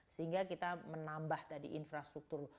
sehingga kita menambah tadi infrastruktur